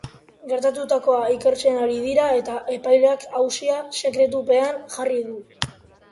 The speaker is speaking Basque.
Gertatutakoa ikertzen ari dira eta epaileak auzia sekretupean jarri du.